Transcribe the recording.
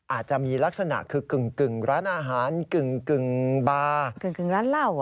อาจจะมีลักษณะคือกึ่งร้านอาหารกึ่งบาร์